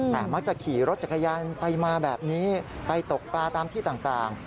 แต่มักจะขี่รถจักรยานไปมาแบบนี้ไปตกปลาตามที่ต่าง